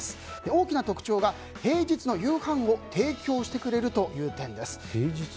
大きな特徴が平日の夕飯を提供してくれる点です。